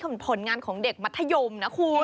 เหมือนผลงานของเด็กมัธยมนะคุณ